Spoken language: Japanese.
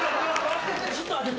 ちょっと待って。